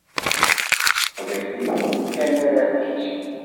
S teqbaylit kan ara tili.